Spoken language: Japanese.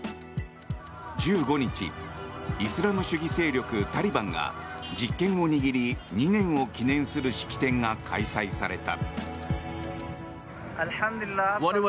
１５日、イスラム主義勢力タリバンが実権を握り２年を記念する式典が開催された。